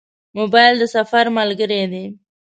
موبایل د سفر ملګری دی.